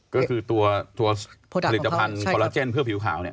ก็คือตัวผลิตภัณฑ์คอลลาเจนเพื่อผิวขาวเนี่ย